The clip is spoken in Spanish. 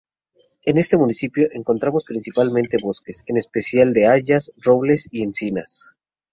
En este municipio encontramos principalmente bosques, en especial de hayas, robles y encinas.